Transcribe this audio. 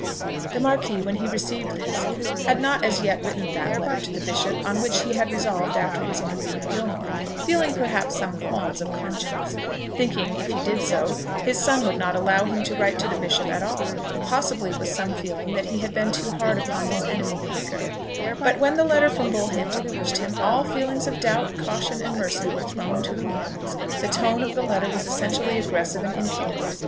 The Marquis, when he received this, had not as yet written that letter to the bishop on which he had resolved after his interview with Gilmore, feeling, perhaps, some qualms of conscience, thinking that it might be well that he should consult his son, though with a full conviction that, if he did so, his son would not allow him to write to the bishop at all, possibly with some feeling that he had been too hard upon his enemy, the Vicar. But, when the letter from Bullhampton reached him, all feelings of doubt, caution, and mercy, were thrown to the winds. The tone of the letter was essentially aggressive and impudent.